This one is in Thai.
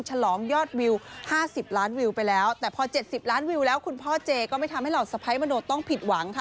ฉลองยอดวิว๕๐ล้านวิวไปแล้วแต่พอ๗๐ล้านวิวแล้วคุณพ่อเจก็ไม่ทำให้เหล่าสะพ้ายมโนต้องผิดหวังค่ะ